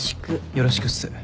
よろしくっす。